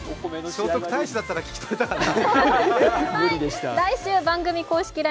聖徳太子だったら聞き取れてたかな。